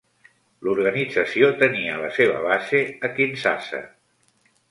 L'organització tenia la seva base a Kinshasa.